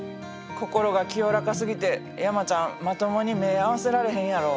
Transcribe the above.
心が清らかすぎて山ちゃんまともに目合わせられへんやろ？